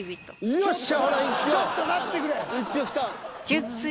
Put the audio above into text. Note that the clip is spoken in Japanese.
よっしゃ！